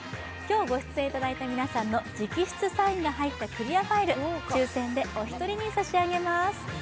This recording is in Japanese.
今日ご出演いただいた皆さんの直筆サインが入ったクリアファイル、抽選でお一人に差し上げます。